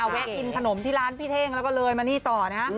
แวะกินขนมที่ร้านพี่เท่งแล้วก็เลยมานี่ต่อนะฮะ